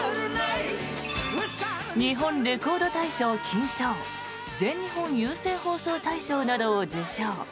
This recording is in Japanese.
日本レコード大賞金賞全日本有線放送大賞などを受賞。